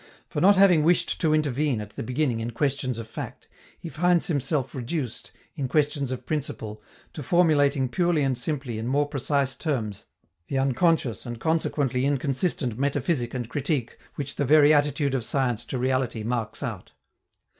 For not having wished to intervene, at the beginning, in questions of fact, he finds himself reduced, in questions of principle, to formulating purely and simply in more precise terms the unconscious and consequently inconsistent metaphysic and critique which the very attitude of science to reality marks out.